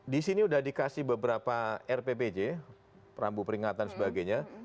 disini udah dikasih beberapa rppj perambu peringatan sebagainya